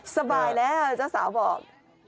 สบายแล้วเจ้าสาวบอก